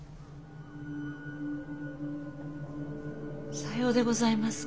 さようでございますか。